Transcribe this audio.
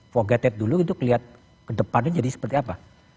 forgated dulu itu kelihatan kedepannya jadi seperti apa